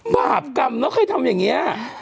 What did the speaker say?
บาปกรรมเนอะเคยทำอย่างนี้